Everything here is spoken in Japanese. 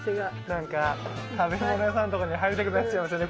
なんか食べ物屋さんとかに入りたくなっちゃいますよね。